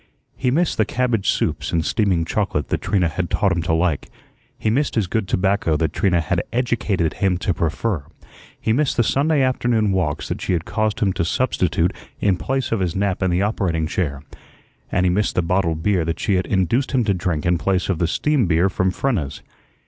He missed the cabbage soups and steaming chocolate that Trina had taught him to like; he missed his good tobacco that Trina had educated him to prefer; he missed the Sunday afternoon walks that she had caused him to substitute in place of his nap in the operating chair; and he missed the bottled beer that she had induced him to drink in place of the steam beer from Frenna's.